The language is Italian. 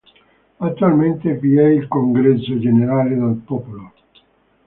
Attualmente vi è il Congresso generale del popolo.